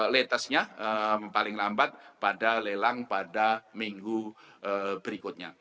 let usnya paling lambat pada lelang pada minggu berikutnya